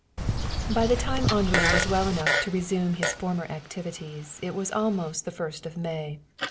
XXI By the time Henri was well enough to resume his former activities it was almost the first of May.